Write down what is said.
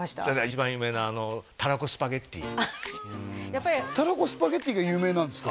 一番有名なたらこスパゲティたらこスパゲティが有名なんですか？